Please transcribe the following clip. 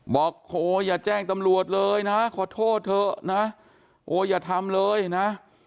บอกโหอย่าแจ้งตำรวจเลยนะขอโทษเถอะนะโอ้อย่าทำเลยนะ